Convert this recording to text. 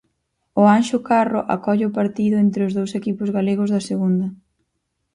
O Anxo Carro acolle o partido entre os dous equipos galegos da segunda.